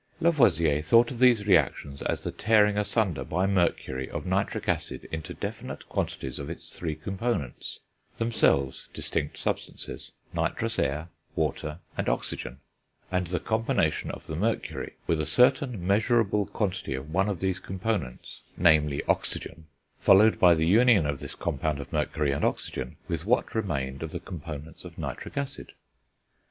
Lavoisier thought of these reactions as the tearing asunder, by mercury, of nitric acid into definite quantities of its three components, themselves distinct substances, nitrous air, water, and oxygen; and the combination of the mercury with a certain measurable quantity of one of these components, namely, oxygen, followed by the union of this compound of mercury and oxygen with what remained of the components of nitric acid.